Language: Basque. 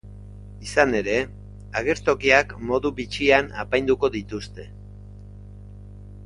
Izan ere, agertokiak modu bitxian apainduko dituzte.